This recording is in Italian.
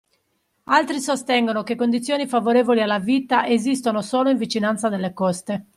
Altri sostengono che condizioni favorevoli alla vita esistono solo in vicinanza delle coste.